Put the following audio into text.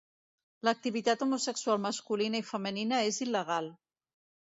L'activitat homosexual masculina i femenina és il·legal.